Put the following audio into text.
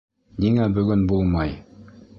Ниңә бөгөн булмай?